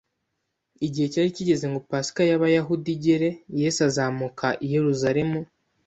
Igihe cyari kigeze ngo Pasika y'Abayahudi igere, Yesu azamuka i Yeruzalemu.